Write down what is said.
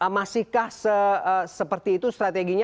masihkah seperti itu strateginya